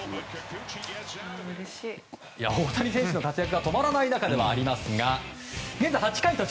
大谷選手の活躍が止まらない中ではありますが現在８回途中。